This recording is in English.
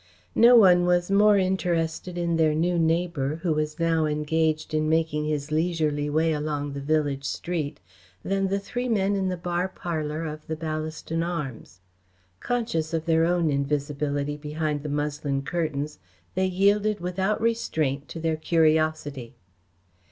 No one was more interested in their new neighbour who was now engaged in making his leisurely way along the village street, than the three men in the bar parlour of the Ballaston Arms. Conscious of their own invisibility behind the muslin curtains, they yielded without restraint to their curiosity.